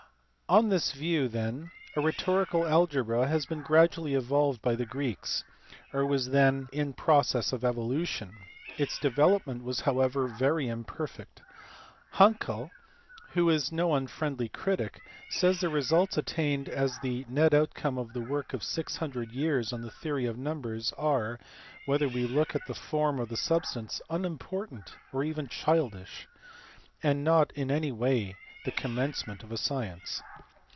On this view then a rhetorical algebra had been gradually evolved by the Greeks, or was then in process of evolution. Its development was however very imperfect.^ Hankel, who is no unfriendly critic, says that the results attained as the net outcome of the work of 600 years onTTne theory of numbers are, whether we look at the form or the substance, unimportant or even childish and are not in any way the commencement of a science.